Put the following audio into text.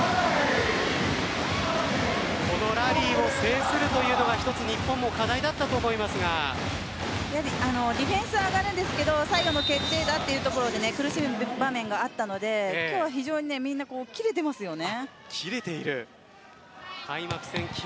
このラリーを制するというのが一つ日本のディフェンスは上がるんですけど最後の決定打というところで苦しむ場面があったので今日は非常に切れていますよね。